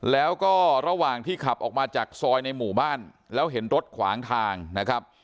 แล้วก็ระหว่างที่ขับออกมาจากซอยในหมู่บ้านแล้วเห็นรถขวางทางนะครับ